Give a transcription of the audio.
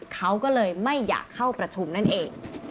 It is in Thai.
เขาก็เลยไม่อยากเข้าประชุมนั่นเอง